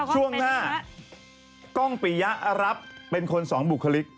ช่วงหน้ากล้องปียะรับเป็นคนสองบุคลิก